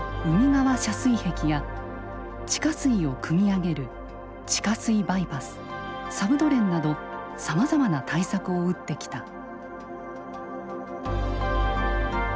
海側遮水壁や地下水をくみ上げる「地下水バイパス」「サブドレン」などさまざまな対策を打ってきた。